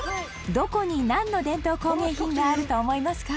どこに、なんの伝統工芸品があると思いますか？